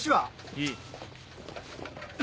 いい。